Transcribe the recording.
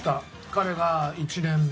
彼が１年目。